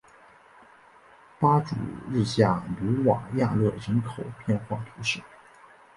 巴祖日下努瓦亚勒人口变化图示